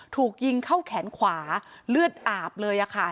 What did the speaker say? ถูกยิงเข้าแขนขวาเลือดอาบเลย